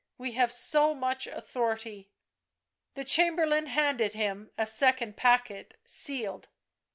u We have so much authority." The chamberlain handed him a second packet, sealed.